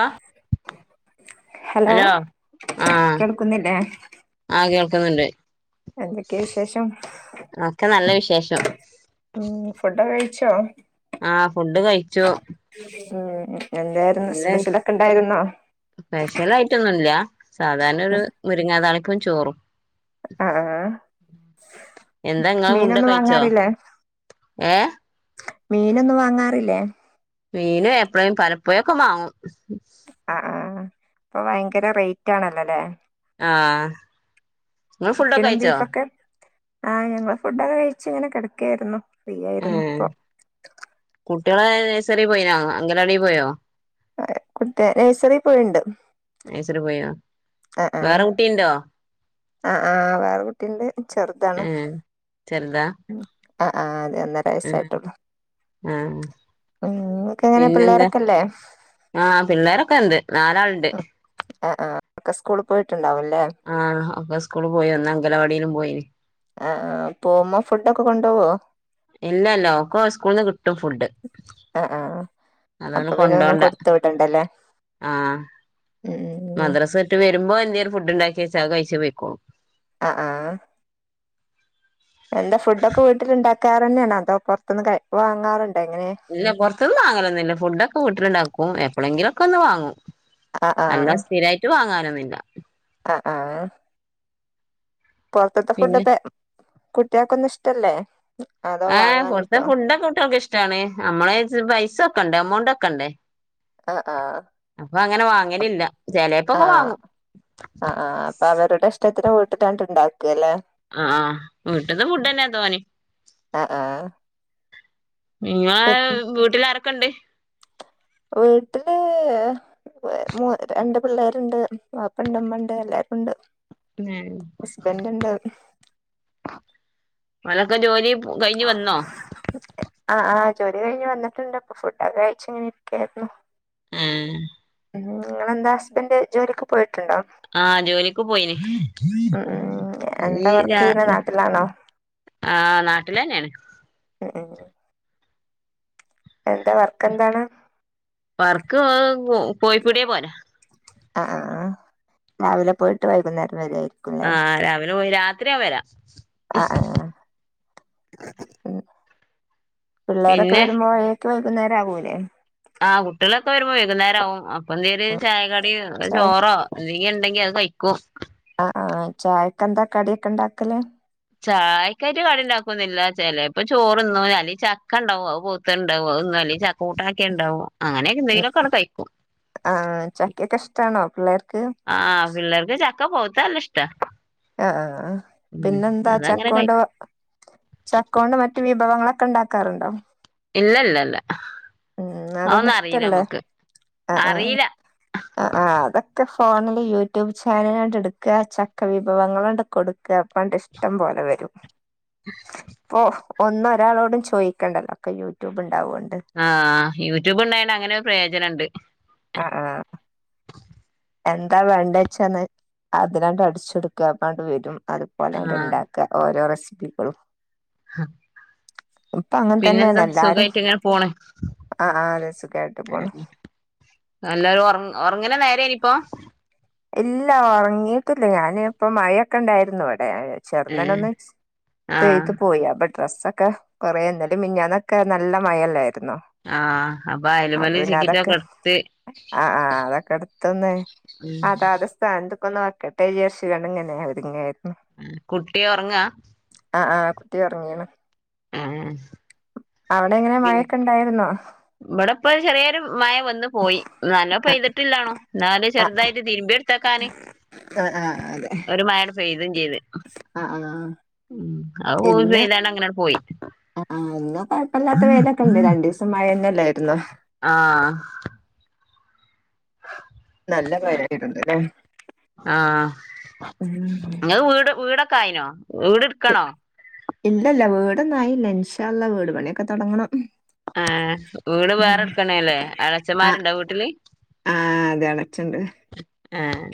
ആഹ് [inaudible] hello ആഹ് കേൾക്കുന്നില്ലേ ആഹ് കേൾക്ക്ന്ന്ണ്ട് എന്തെക്കെ വിശേഷം ഒക്കെ നല്ല വിശേഷം ഉം ഫുഡൊക്കെ കഴിച്ചോ ആഹ് ഫുഡ് കഴിച്ചു ഉം എന്തായിരുന്നു സ്പെഷ്യലൊക്കെ ഇണ്ടായിരുന്നോ സ്പെഷ്യലായിറ്റൊന്നുല്ല സാധാരണ ഒരു മുരിങ്ങാതാളിപ്പും ചോറും ആ ആ [inaudible] എന്താ ഇങ്ങളെ മീനൊന്നും ഫുഡ്കഴിച്ചോ വാങ്ങാറില്ലേ ഏഹ് മീനൊന്നും വാങ്ങാറില്ലേ മീന് എപ്ളേ പലപ്പാെയൊക്കെ വാങ്ങും അഹ് ആഹ് ഇപ്പ ഭയങ്കര റേറ്റ് ആണല്ലല്ലേ ആഹ് ഇങ്ങള് ഫുഡൊക്കെ ചിക്കനും കഴിച്ചോ ബീഫൊക്കെ ആഹ് ഞങ്ങള് ഫുഡൊക്കെ കഴിച്ച് ഇങ്ങനെ കടെക്കായിരുന്നു ഫ്രീ ആയിരുന്നു ഇപ്പം കുട്ട്യാള് നേഴ്സറി പോയിനോ അംഗലവാടി പോയോ അഹ് കുട്ടി നഴ്സറി പോയീണ്ട് നയ്സറി പോയിനോ വേറെ കുട്ടീണ്ടോ അഹ് ആഹ് വേറെ കുട്ടിണ്ട് ചെറ്താണ് ചെറ്താ അഹ് ആഹ് അതെ ഒന്നരവയസ്സായിട്ടുള്ളൂ ആഹ് എങ്ങനെ പിന്നെന്താ പിള്ളേരൊക്കെല്ലേ ആഹ് പിള്ളേരൊക്കെ ഉണ്ട് നാലാള്ണ്ട്. അഹ് ആഹ്. ഒക്കെ സ്കൂൾ പോയിട്ടുണ്ടാവുല്ലേ ആഹ് ഒക്കെ സ്കൂൾ പോയി ഒന്ന് അംഗലവാടിയിലും പോയിനി അഹ് ആഹ് പോമ്മം ഫുഡൊക്കെ കൊണ്ടോവോ. ഇല്ലല്ല ഓക് ഓളെ സ്കൂൾന്ന് കിട്ടും ഫുഡ്. ആഹ് ആഹ് അതോണ്ട് അപ്പൊ പിന്നെ ഒന്നും കൊണ്ടോണ്ട കൊടുത്ത് വിടണ്ടല്ലേ ആഹ്. ഉം ഉം മദ്രസ ഇട്ട് വരുമ്പോ എന്തെങ്കും ഫുഡ്ണ്ടാകിയെച്ച അത്കയ്ച്ച് പോയ്ക്കോളും. അഹ് ആഹ് എന്താ ഫുഡൊക്കെ വീട്ടിലുണ്ടാക്കാറ്ന്നെണോ അതോ പോർതിന്ന് കഴ വാങ്ങാറുണ്ടോ എങ്ങനെ ഇല്ല പൊർതിന്ന് വാങ്ങലൊന്നുല്ല ഫുഡൊക്കെ വീട്ടിൽണ്ടാക്കും എപ്പളെങ്കിലൊക്കെ ഒന്ന് വാങ്ങും. ആഹ് അല്ലാ സ്ഥിരായിട്ട് വാങ്ങാനൊന്നില്ല. അഹ് ആഹ് പൊർത്ത്ത്തെ പിന്നെ ഫുഡ്ഡക്കെ കുട്ടിയാക്കൊന്നു ഇഷ്ടല്ലേ അതോ ആഹ് പോർത്തെ വാങ്ങാനിട്ടോ? ഫുഡൊക്കെ കുട്ട്യേൾക്ക് ഇഷ്ടാണ്. നമ്മളയിച് പൈസ്സൊക്കണ്ടേ എമൗണ്ട് ഒക്കെണ്ടേ. അഹ് ആഹ് അപ്പ അങ്ങനെ വാങ്ങലില്ല ചേലെപ്പൊക്കെ വാങ്ങും. പ്പ അവരുടെ ഇഷ്ടത്തിന് വീട്ട്ത്താണ്ട് ഇണ്ടാക്കാല്ലെ. അഹ് ആഹ് വീട്ട്ത്തെ ഫുഡ്ഡന്നെ തോന്നിം. അഹ് ആഹ് നിങ്ങളെ പിന്നെ വീട്ടിലാരെക്കെണ്ട് വീട്ട്ല്.. വെ മൂ രണ്ട് പിള്ളേരുണ്ട് വാപ്പണ്ട് മ്മണ്ട് എല്ലാരുണ്ട്. [unintelligible] ഞാനും ഹസ്ബന്റ്ണ്ട്. ഓലൊക്കെ ജോലി പ് കഴിഞ്ഞ് വന്നോ. അഹ് ആഹ് ജോലി കഴിഞ്ഞ് വന്നിട്ടുണ്ട് പ്പൊ ഫുഡൊക്കെ കഴിച്ചിങ്ങനെ, ഇരിക്കായിരുന്നു. ഏഹ് ങ്ങങ്ങളെന്താ ഹസ്ബൻൻ്റ് ജോലിക്ക് പോയിട്ട്ണ്ടോ ആഹ്, ജോലിക്ക് പോയിനി അഹ് ആഹ് എന്താ വർക്കെയ്യ്ണ് നാട്ടിലാണോ ആഹ് നാട്ടിലെന്നെണ്. ഉം ഉം എന്താ വർക്കെന്താണ് വർക്ക് ഇഹ് കോഴിപ്പീടീ പോലാ അഹ് ആഹ് രാവിലെ പോയിട്ട് വൈകുന്നേരം വര്വായിരിക്കും ആഹ് രാവിലെ പോയി രാത്രിയാവു വെരാം അഹ് ആഹ് ഉം പിള്ളേരൊക്കെ പിന്നെ വരുമ്പോഴേ ക് വൈകുന്നേരാവൂലെ ആഹ് കുട്ടിയേള്ക്കെ വരുമ്പോ വൈകുന്നേരാവും. അപ്പൊന്തെര് ചായ കടിം, ഒര് ചായ ചോറോ എന്തെങ്കി ണ്ടെങ്കി അത് കഴിക്കും അഹ് ആഹ് ചായക്കെന്താ കടിയൊക്കെണ്ടാക്കല് ചായക്കായ്റ്റ് കടിണ്ടാക്കൊന്നില്ല ചെലേപ്പൊ ചോറ്ന്നും അല്ലെയ് ചക്കണ്ടാവും അഹ് പൊവ്ത്തെ ണ്ടാവും അത് ന്നും അല്ലെയ് ചക് കൂട്ടാക്കേയ്ണ്ടാവും അങ്ങനെ ഉം യെന്തെങ്കിലൊക്കാണ്ട് കയിക്കും. ആഹ് ചക്കെക്കെ ഇഷ്ടാണോ പിള്ളേർക്ക്. ആഹ് പിള്ളേർക്ക് ചക്ക പൊവ്ത്താല്ലഷ്ടാ. അഹ് ആഹ് പിന്നെന്താ അതങ്ങനെ കഴി ചക്കോണ്ട് വ ചക്കോണ്ട് മറ്റ റ്റ് വിഭവങ്ങളക്കെണ്ടാക്കാറുണ്ടോ ഇല്ലല്ല ല്ല ഉം അതൊന്നും അതെന്നും ഇഷ്ടല്ലേ അറീലമ്മക്ക്, അറീല. അഹ് ആഹ്. അതൊക്കെ ഫോണില് യൂട്യൂബ് ചാനലാണ്ടെട്ക്കാ ചക്ക വിഭവങ്ങളാണ്ട് കൊടുക്കാ. പ്പാണ്ടിഷ്ടംമ്പോലെ വെരും. [unintelligible] ഓ ഒന്നും ഒരാളോടും ചോയിക്കണ്ടല്ലാ ഒക്കെ യൂട്യൂബ് ഇണ്ടാവോണ്ട്. ആഹ് യൂട്യൂബ് ഇണ്ടായോണ്ട് അങ്ങനൊരു പ്രയോജനണ്ട്. ആ ആ എന്താ വേണ്ടെച്ചാന്ന് അതിലണ്ട് അടിച്ചൊട്ക്കാ അപ്പണ്ട് വെരും അതുപോലാണ്ട് ആഹ് ഇണ്ടാക്കാ. ഓരോ റെസിപ്പികളും. ഹാ ഇപ്പൊ അങ്ങനെ തന്നെയാണ് പിന്നെന്താ എല്ലാരും സുഖായിട്ട് ഇങ്ങനെ പോണ്. ആ ആ അതെ സുഖായിട്ട് പോണു അല്ലാരും ഒർ ഒർങ്ങ്ണ നേരേന്നിപ്പോ. ഇല്ല ഒർങ്ങീട്ടില്ല ഞാന് ഇപ്പൊ മഴയൊക്കെണ്ടായിരുന്നു. ഇവടെ. ചെർന്നനെ ഏഹ് ഒന്ന് ആഹ് പെയ്ത് പോയി അപ്പ ഡ്രസ്സൊക്കെ കൊറേ. ഇന്നെലേം മിഞ്ഞാന്നൊക്കെ നല്ല മയെല്ലായിരുന്നോ. ആഹ് അപ്പൊ അയലുമല് പിന്നതൊക്കെ ചിക്കിറ്റൊക്കെ എടുത്ത് ആ ആ അതൊക്കെട്ത്തെന്ന്. ഉം അതാത് സ്ഥാനത്തൊക്കൊന്ന് വെക്കട്ടെന്ന് വിജാര്ച്ച്ങ്ങാണ്ട് ഇങ്ങനെ ഒരുങ്ങായിരുന്നു. ഉം കുട്ടി ഒർങ്ങാ ആ ആ കുട്ടി ഒർങ്ങീണ്. ഏഹ് അവിടെ എങ്ങനാ മഴ ഒക്കെ. ണ്ടായിരുന്നോ. ഇവിടെപ്പൊരു ചെറിയൊരു മയ വന്നു പോയി നല്ലം ആഹ് പെയ്തിട്ടില്ലാണും ഇന്നാലും ചെറുതായിട്ട് തിരുമ്പിയെ ഇട്ത്തക്കാന് ആഹ് ഒരു മയണ്ട് പെയ്തും ചെയ്ത് ആഹ ആഹ് ഉം അ [unintelligible] പെയ്താണ്ട് അങ്ങനങ്ങ് പോയി ആ ഇന്ന് കൊഴപ്പല്ലാത്ത വെയിലൊക്കെണ്ട് രണ്ടീസം മഴന്നെല്ലായിരുന്നോ ആഹ നല്ല കാര്യായിട്ടുണ്ട്ല്ലേ ആഹ ഇങ്ങൾ വീട് വീടൊക്കെ ആയിനോ വീട് ഇട്ക്കണോ ഇല്ലല്ല വീടൊന്നും ആയില്ല ഇൻഷാഅല്ലാഹ് വീട് പണിയൊക്കെ തൊടങ്ങണം. ആഹ വീട് വേറെ ഇടുക്കണേല്ലേ എളച്ചന്മാരുണ്ടോ വീട്ടില് ആ അതെ എളച്ചൻ ഇണ്ട് എഹ്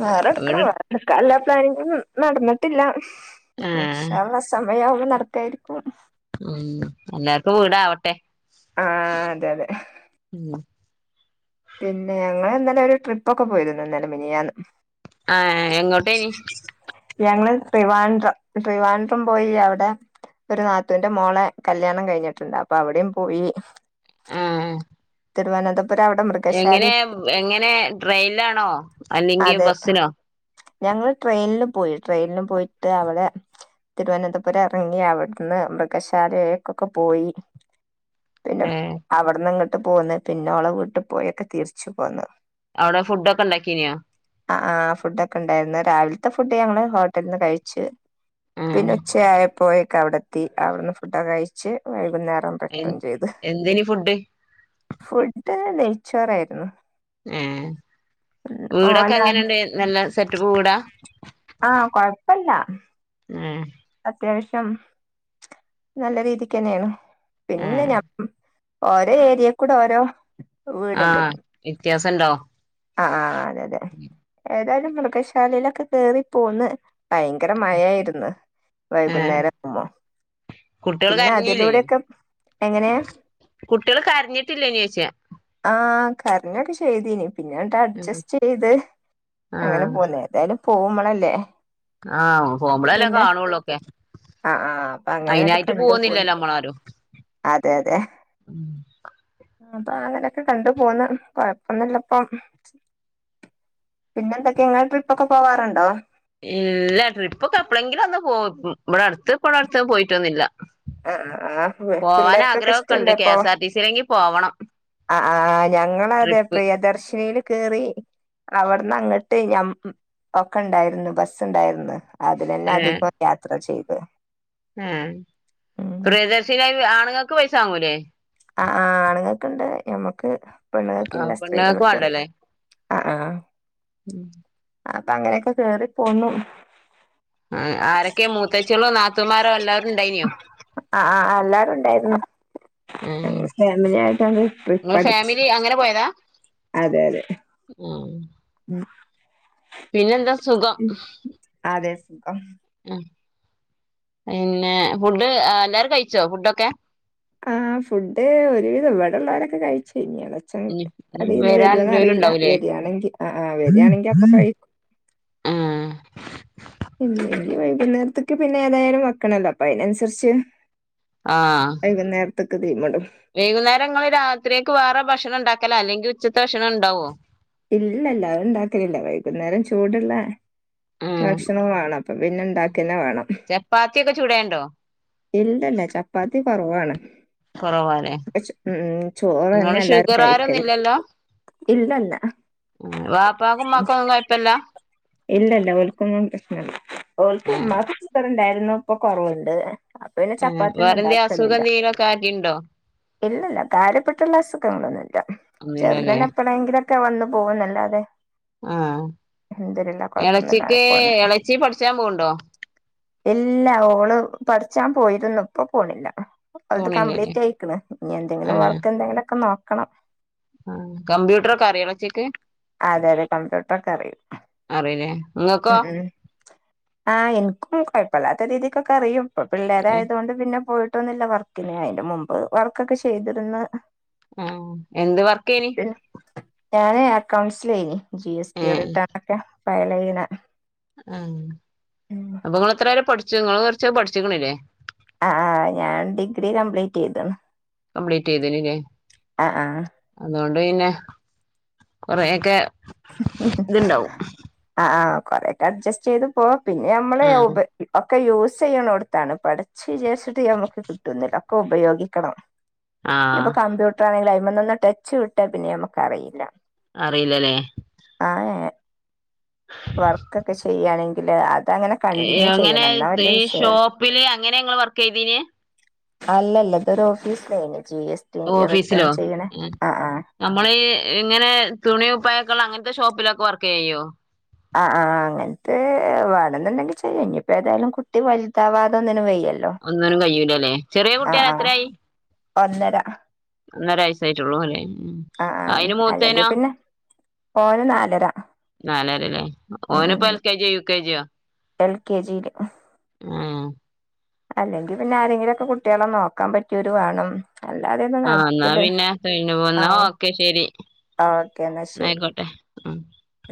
വേറെടുക്കണം ഇടക്കാൻ ഇള്ള പ്ലാനിങ്ങൊന്നും നടന്നിട്ടില്ല ആഹ് ഇൻശാല്ലാഹ് സമയാവുമ്പോ നടത്തായിരിക്കും ഉം എല്ലാർക്കും വീടാവട്ടെ ആഹ അതെ അതെ ഉം പിന്നെ ഞങ്ങള് ഇന്നലെ ഒരു ട്രിപ്പ് ഒക്കെ പോയിരുന്നു ഇന്നലെ മിനിയാന്ന് ആഹ എങ്ങോട്ടേനി ഞങ്ങള് ട്രിവാൻഡ്രം ട്രിവാൻഡ്രം പോയി അവ്ടെ ഒരു നാത്തൂന്റെ മോളെ കല്യാണം കഴിഞ്ഞിട്ട്ണ്ട് അപ്പൊ അവിടിം പോയി. ആഹ് തിരുവനന്ത ഇവരെ അവ്ടെ മൃഗ എങ്ങനെ എങ്ങനെ ട്രെയിൻലാണോ അല്ലെങ്കി അതെ ബസ്സിനോ ഞങ്ങള് ട്രെയിൻൽ പോയി ട്രെയിൻൽ പോയിട്ട് അവിടെ തിരുവനന്തപുരം എറങ്ങി അവിടുന്ന് മൃഗശാലേക്കൊക്കെ പോയി പിന്നെ ഏഹ് അവിട്ന്ന് ഇങ്ങട്ട് പോന്ന് പിന്നെ ഓളെ വീട്ടു പോയൊക്കെ തിരിച്ചു പോന്നു അവിടെ ഫുഡോക്കെ ഇണ്ടാക്കീനോ ആ ആ ഫുഡോക്കെണ്ടായിരുന്നു രാവിലത്തെ ഫുഡ് ഞങ്ങള് ഹോട്ടലിൽന്ന് കഴിച്ചു പിന്നെ ആഹ് ഉച്ചയായപ്പോയേക്ക് അവിടെ എത്തി അവിടുന്ന് ഫുഡൊക്കെ കഴിച്ച് വൈകുന്നേരം എൻ റിട്ടേൺ ചെയ്ത് എന്തേനി ഫുഡ് ഫുഡ് നെയ്ച്ചോറായിരുന്നു ഏഹ് വീടൊക്കെ ഓല എങ്ങനെണ്ട് നല്ല സെറ്റപ്പ് വീടാ ആഹ് കൊഴപ്പല്ല ആഹ് അത്യാവശ്യം നല്ല രീതിക്കന്നേണ് പിന്നെ ഏഹ് ഞാൻ ഓരോ ഏരിയേ കൂടെ ഓരോ ആഹ് വ്യത്യാസം ഉണ്ടോ ആഹ് ആഹ് അതെ അതെ ഏതായാലും മൃഗശാലയിലൊക്കെ കേറി പോന്ന് ഭയങ്കര മഴായിര്ന്ന് വൈകുന്നേരം മോ കുട്ടിയൾ കരഞ്ഞില്ലെനി എങ്ങനെ കുട്ടിയൾ കരഞ്ഞിട്ടില്ലേനി ചോയ്ച്ചാ ആഹ് കരഞ്ഞൊക്കെ ചെയ്തീനി പിന്നട്ട് അഡ്ജസ്റ്റ് ചെയ്ത് ആഹ് അങ്ങനെ പോന്നേ എന്തായാലും പോവുമ്പളല്ലേ ആഹ് പോവമ്പളല്ലേ കാണുള്ളൂ ഒക്കെ ആഹ് ആഹ് അപ്പൊ അങ്ങനെ കണ്ടു പോന്ന് പോവൊന്നില്ലല്ലോ നമ്മളാരും അതെ അതെ അപ്പൊ അങ്ങനെയൊക്കെ കണ്ടു പോന്ന് കൊഴപ്പൊന്നുല്ല അപ്പം പിന്നെ എന്തൊക്കെ ഇങ്ങൾ ട്രിപ്പൊക്കെ പോവാർണ്ടോ ഇല്ല ട്രിപ്പൊക്കെ എപ്പളെങ്കിലും ഒന്ന് പോം ഇവിടെ അടുത്ത് ഇപ്പടെ അടുത്ത് പോയിട്ടൊന്നുല്ല ആ ആ പോവാൻ പിള്ളേർക്കൊക്കെ ആഗ്രഹൊക്കെണ്ട് കെ എസ് ആർ ടി സിയിലെങ്കി പോവണം ആഹ് ആഹ് ഞങ്ങളതെ ട്രിപ്പ് പ്രിയദർശിനില് കേറി അവിട്ന്ന് അങ്ങട്ട് ഞ ഒക്കെ ഇണ്ടായിരുന്നു ബസ്സുണ്ടായിരുന്നു അതിനല്ല അധികം യാത്ര ചെയ്ത് ഉം ഉം പ്രിയദശനായി ആണുങ്ങൾക്ക് പൈസ വാങ്ങൂല്ലേ ആഹ് ആഅ ആണുങ്ങൾക്കുണ്ട് ഞമ്മക്ക് ആഹ് പെണ്ണുങ്ങൾക്കില്ല പെണ്ണുങ്ങൾക്ക് സ്ത്രീകൾക്ക് വേണ്ടല്ലേ ആഹ് ആഹ് അപ്പൊ അങ്ങനെക്കെ കേറിപ്പോന്നു ആ ആരൊക്കെ മൂത്തച്ചിളോ നാത്തൂമാരോ എല്ലാരും ഇണ്ടായിനോ ആ ഫാമിലിയാട്ടാണാ നിങ്ങള് ട്രിപ്പഠിച്ചു ഫാമിലി അങ്ങനെ പോയതാ അതെ അതെ ഓഹ് ഉം, പിന്നെന്താ സുഖം ഉം. അതെ സുഖം ഉം പിന്നെ ഫുഡ് എല്ലാരും കഴിച്ചോ ഫുഡൊക്കെ ആഹ് ഫുഡ് ഒരുവിധം ഇവിടെള്ളവരൊക്കെ കഴിച്ചു കഴിഞ്ഞൊള്ളു ച ഇനി കടീന്ന് വരാൻ വരുവോന്ന് എന്തേലും അറിയില്ല ഉണ്ടാവൂലേ വരികയാണെങ്കിൽ ആഹ് ആഹ് ആഹ് വരിയാണെങ്കിൽ അപ്പ കഴിക്കും ആഹ് ഇന്ന്നി വൈകുന്നേരത്തേക്ക് പിന്നെ ഏതായാലും വെക്കണല്ലോ അപ്പൊ അയിനനുസരിച്ച് വൈകുനേരത്ത്ക്ക് തീം മിടും വൈകുന്നേരംങ്ങള് രാത്രിക്ക് വേറെ ഭക്ഷണം ഉണ്ടാക്കലോ അല്ലെങ്കിൽ ഉച്ചത്തെ ഭക്ഷണം ഉണ്ടാവോ ഇല്ല ഇല്ല അത് ഉണ്ടാക്കലില്ല വൈകുന്നേരം ചൂടുള്ള ഏഹ് ഭക്ഷണം വേണം അപ്പൊ പിന്നെ ഇണ്ടാക്കന്നെ വേണം ചപ്പാത്തിയൊക്കെ ചുടേണ്ടോ? ഇല്ല ഇല്ല ചപ്പാത്തി കുറവാണ് കൊറവാലേ ഉ ഉം ചോറ് തന്നെ ഇങ്ങള് എല്ലവരും ഷുഗറാരൊന്നും കഴിക്കല് ഇല്ലല്ലോ? ഇല്ലല്ല വാപ്പാക്കും ഉമ്മാക്കൊന്നും കൊഴപ്പല്ല ഇല്ലല്ല ഓൽക്കൊന്നും പ്രശ്നല്ല ഓൽക്ക് ഏഹ് [unintelligible] ണ്ടായിരുന്നു ഇപ്പൊ കൊറവുണ്ട് അപ്പൊ പിന്നെ ഏഹ് ചപ്പാത്തിന്നും വേറെന്തേം അസുഖം ഇണ്ടാക്കലില്ലാ എന്തേലൊക്കെ ആക്കിണ്ടോ? ഇല്ലല്ല കാര്യപ്പെട്ടുള്ള അസുഖങ്ങളൊന്നുംല്ല ഒന്നുല്ലല്ലേ ചെറുതിന് എപ്പഴെങ്കിലും ക്കെ വന്ന് പോകുന്നല്ലാതെ ആഹ് അൽഹംദുലില്ലാഹ് കൊഴപ്പൊന്നുല്ലാതെ ഇളച്ചിക്ക് പോണ് ണ്ട്. ഇളച്ചി പഠിച്ചാൻ പോകണ്ടോ ഇല്ല ഓള് പഠിച്ചാൻ പോയിരന്നു ഇപ്പോ പോണില്ല ഇപോ അത് പോണില്ലല്ലേ കംപ്ലീറ്റ് ആയക്ന് എന്തെങ്കിലും വർക്ക് എന്തെങ്കിലും ഒക്കെ നോക്കണം കമ്പ്യൂട്ടർ ഒക്കെ അറിയോ ഇല്ലാച്ചിക് അതെ അതെ കമ്പ്യൂട്ടർ ഒക്കെ അറിയൂ അറിയൂലേ ഇങ്ങക്കോ? ഉം ആഹ് എനിക്കും കുഴപ്പമില്ലാത്ത രീതിക്കൊക്കെ അറിയും ഇ പിള്ളേരായത കൊണ്ട് പിന്നെ പോയിട്ടൊന്നില്ല വർ പിന്നെ അതിന്റെ മുമ്പ് വർക്കൊക്കെ ചെയ്തിരുന്ന് ഉം എന്ത് വർക്ക് അയിന് ഞാന് അക്കൗണ്ട്സൽ ജി എസ് ടി ഏഹ് റിട്ടേൺ ഒക്കെ ഫയൽ ചെയന ആം അപ്പൊ നിങ്ങള് എത്ര വരെ പഠിച്ചു നിങ്ങള് കുറച്ച് പഠിച്ചിക്കണില്ലേ ആഹ് ആഹ് ഞാൻ ഡിഗ്രി കംപ്ലീറ്റ് ചെയ്തു കംപ്ലീറ്റ് ചെയ്തിനില്ലേ ആഹ് ആഹ് അതുകൊണ്ട് പിന്നെ കൊറെയൊക്കെ ഇത്ണ്ടാവും ആഹ് ആഹ് കൊറയക്കെ അഡ്ജസ്റ്റ് ചെയ്ത് പോവാ പിന്നെ നമ്മള് ആഹ് ഒക്കെ യൂസ് ചെയ്യണോടുത്താണ് പടിച് വിചാരിച് നമുക്ക് കിട്ടുന്നില്ല ഒക്കെ ഉപയോഗിക്കണം ഇപ്പൊ ആഹ് കമ്പ്യൂ ണെങ്കിൽ അഴിമന്ന് ഒന്ന് ടച്ച് വിട്ടാ പിന്നെ നമുക്ക അറിയില്ല അറിയില്ലല്ലേ ആഹ് ഹെ വർക്കൊക്കെ ചെയ്യണെങ്കില് അതങ്ങനെ കണ്ടിന്യൂ എങ്ങനെ ചെയ്യണം എന്നാ വലിയ ഈ വിഷയല്ല ഷോപ്പില് അങ്ങനെ നിങ്ങൾ വർക്ക് ചെയ്തന് അല്ലല്ല ഇതരു ഓഫീസിലയി ജി എസ് റിട്ടേൺ ചെയ്യണേ ആഹ് ആഹ് നമ്മൾഇങ്ങനെ തുണിം കുപായക്കള്ള അങ്ങനത്തെ ഷോപ്പിലൊക്കെ വർക്ക് ചെയ്യോ ആഹ് ആഹ് അങ്ങനത്തെ വേണെന്നുണ്ടെങ്കിൽ ഇനിയിപ്പോ ഏതായാലും കുട്ടി വലുതാവാതെ ഒന്നിനും വയ്യല്ലോ ഒന്നിനും കഴയില്ലല്ലെ ചെറിയ ആ കുട്ടിയാെ ആ എത്രയായി ഒന്നര ഒന്നരയസ ആയിട്ടുള്ളൂ അല്ലെ ആഹ ആഹ് അല്ലങ്കി പിന്നെ, മേൻനാലര നാലര അല്ലേ ഓനി ഇപ്പോ എൽ കെ ജിയോ യു കെ ജിയോ? എൽ കെ ജിയില് ആഹ് അല്ലെങ്കിൽ പിന്നെ ആരെങ്കിലുംക്കെ കുട്ടികളെ നോക്കാൻ പറ്റിയരു വേണം. അല്ലാതെയൊന്നും ആഹ് എന്നാ നടക്കില്ല പിന്നെ തഴിപോന്നോ ഓക്കെ ശെരി ആഹ് ഓക്കേ എന്നാ ശരി. ഉം